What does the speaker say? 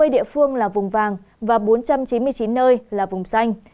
ba mươi địa phương là vùng vàng và bốn trăm chín mươi chín nơi là vùng xanh